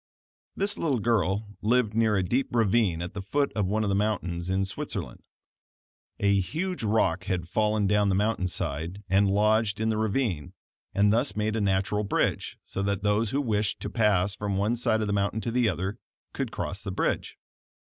This little girl lived near a deep ravine at the foot of one of the mountains in Switzerland. A huge rock had fallen down the mountain side, and lodged in the ravine, and thus made a natural bridge, so that those who wished to pass from one side of the mountain to the other, could cross the bridge.